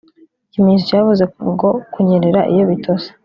Ikimenyetso cyavuze ngo Kunyerera iyo bitose